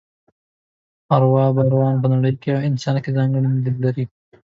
اروا باوران په نړۍ او انسان کې ځانګړی لید لري.